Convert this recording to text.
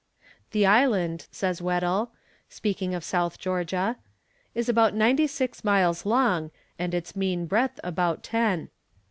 "The island," says Weddell, speaking of South Georgia, "is about ninety six miles long, and its mean breadth about ten.